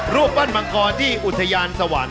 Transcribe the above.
รูปปั้นมังกรที่อุทยานสวรรค์